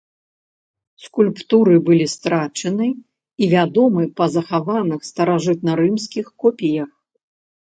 Скульптуры былі страчаны і вядомы па захаваных старажытнарымскіх копіях.